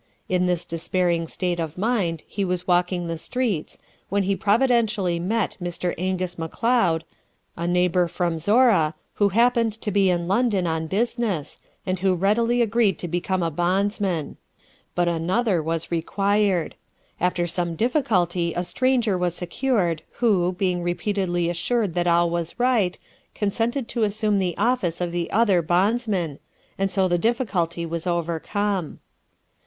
In this despairing state of mind he was walking the streets, when he providentially met Mr. Angus Macleod, a neighbor from Zorra, who happened to be in London on business, and who readily agreed to become a bondsman. But another was required. After some difficulty a stranger was secured, who, being repeatedly assured that all was right, consented to assume the office of the other bondsman, and so the difficulty was overcome.